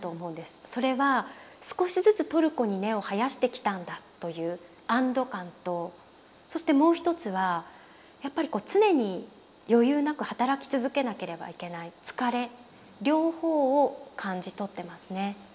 それは少しずつトルコに根を生やしてきたんだという安堵感とそしてもう一つはやっぱり常に余裕なく働き続けなければいけない疲れ両方を感じ取ってますね。